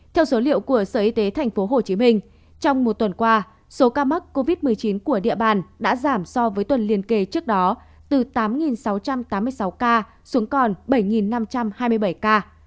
theo số liệu của sở y tế tp hcm trong một tuần qua số ca mắc covid một mươi chín của địa bàn đã giảm so với tuần liên kề trước đó từ tám sáu trăm tám mươi sáu ca xuống còn bảy năm trăm hai mươi bảy ca